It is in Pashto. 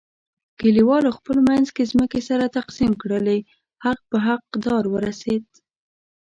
کلیوالو خپل منځ کې ځمکې سره تقسیم کړلې، حق په حق دار ورسیدا.